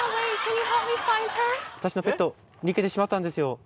私のペット逃げてしまったんですよ。